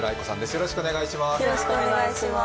よろしくお願いします